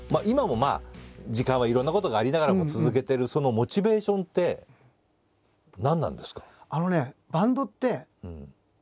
今もまあ時間はいろんなことがありながらも続けてるそのモチベーションって何なんですか？